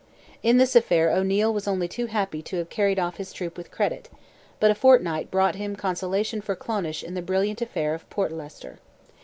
In this affair O'Neil was only too happy to have carried off his troop with credit; but a fortnight brought him consolation for Clonish in the brilliant affair of Portlester.